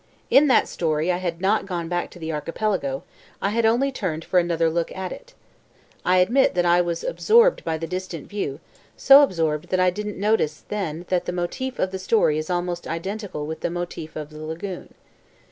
In that story I had not gone back to the Archipelago, I had only turned for another look at it. I admit that I was absorbed by the distant view, so absorbed that I didnt notice then that the motif of the story is almost identical with the motif of The Lagoon.